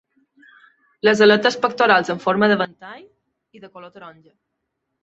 Les aletes pectorals en forma de ventall i de color taronja.